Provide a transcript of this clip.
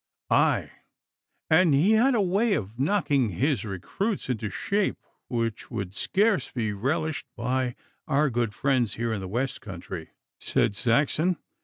'Aye, and he had a way of knocking his recruits into shape which would scarce be relished by our good friends here in the west country,' said Saxon.